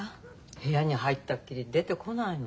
部屋に入ったっきり出てこないの。